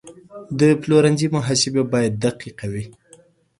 د پلورنځي محاسبه باید دقیقه وي.